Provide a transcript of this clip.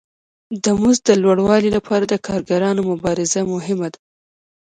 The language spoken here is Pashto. د مزد د لوړوالي لپاره د کارګرانو مبارزه مهمه ده